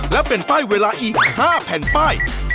และเป็นป้ายเวลาอีก๕แผ่นป้าย